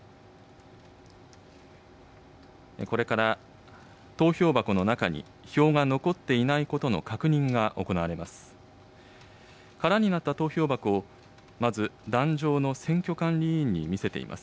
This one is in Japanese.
これから投票箱の中に票が残っていないことの確認が行われます。